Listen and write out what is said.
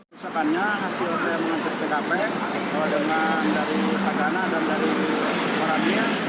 usahanya hasil saya mengajar pkp dengan dari pak gana dan dari korannya